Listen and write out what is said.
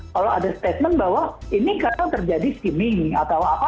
kalau ada statement bahwa ini kadang terjadi skimming atau apa